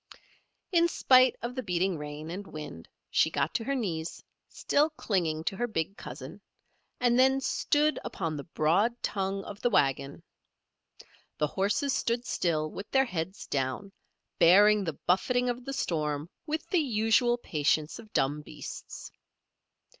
In spite of the beating rain and wind she got to her knees, still clinging to her big cousin, and then stood upon the broad tongue of the wagon. The horses stood still with their heads down, bearing the buffeting of the storm with the usual patience of dumb beasts.